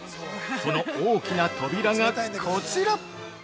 その大きな扉がこちら！